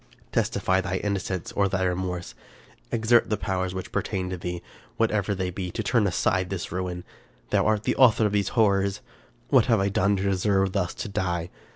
" Testify thy innocence or thy remorse ; exert the powers which pertain to thee, whatever they be, to turn aside this ruin. Thou art the author of these horrors! What have I done to deserve thus to die?